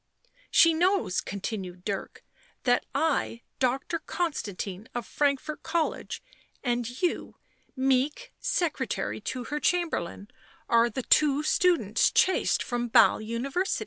" She knows," continued Dirk, 11 that I, Doctor Con stantine of Frankfort College, and you, meek secre tary to her Chamberlain, are the two students chased from Basle University."